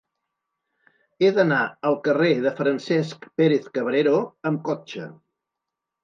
He d'anar al carrer de Francesc Pérez-Cabrero amb cotxe.